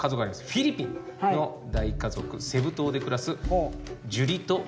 フィリピンの大家族セブ島で暮らすジュリト・ロマノさん一家。